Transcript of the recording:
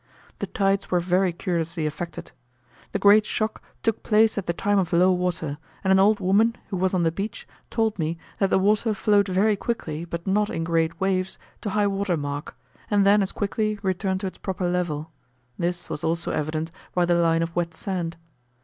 The tides were very curiously affected. The great shock took place at the time of low water; and an old woman who was on the beach told me that the water flowed very quickly, but not in great waves, to high water mark, and then as quickly returned to its proper level; this was also evident by the line of wet sand.